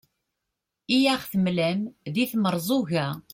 i aɣ-temlam d timerẓuga